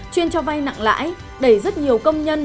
chuyên cho vay nặng lãi đẩy rất nhiều công nhân